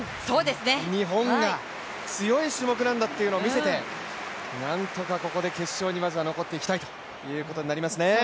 日本が強い種目なんだというのを見せて、なんとかここで決勝にまずは残っていきたいということになりますね。